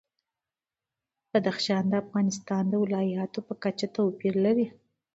بدخشان د افغانستان د ولایاتو په کچه توپیر لري.